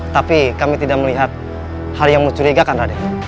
tapi kami tidak melihat hal yang mencurigakan tadi